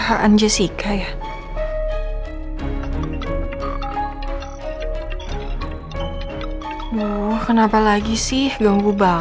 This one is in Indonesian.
hati hati di jalan ya mama